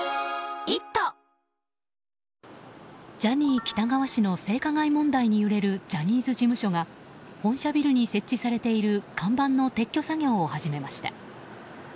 ジャニー喜多川氏の性加害問題に揺れるジャニーズ事務所が本社ビルに設置されている看板の撤去作業を始めました。